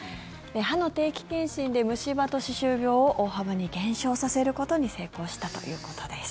歯の定期検診で虫歯と歯周病を大幅に減少させることに成功したということです。